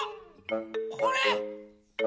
これ。